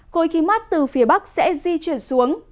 khối khí mát từ phía bắc sẽ di chuyển xuống